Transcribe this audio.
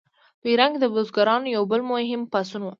په ایران کې د بزګرانو یو بل مهم پاڅون و.